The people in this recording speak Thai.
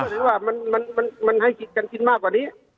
หรือว่ามันให้กินกันกินมากกว่านี้